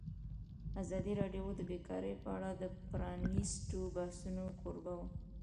ازادي راډیو د بیکاري په اړه د پرانیستو بحثونو کوربه وه.